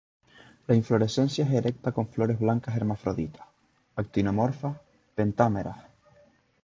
La inflorescencia es erecta con flores blancas hermafroditas, actinomorfas, pentámeras.